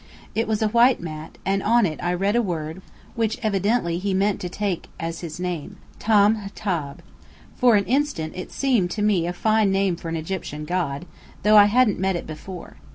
It was a white mat, and on it I read a word which evidently he meant me to take as his name: TAM HTAB. For an instant it seemed to me a fine name for an Egyptian god, though I hadn't met it before.